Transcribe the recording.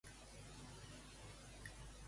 Afegeix que m'apassiona aquesta cançó.